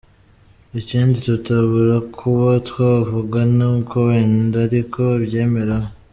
Ikindi tutabura kuba twavuga ni uko wenda ariko abyemera we.